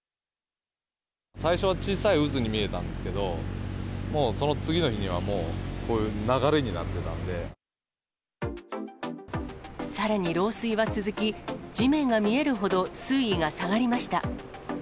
最初は小さい渦に見えたんですけど、もうその次の日には、もう、こういう流れになってたんさらに、漏水は続き、地面が見えるほど水位が下がりました。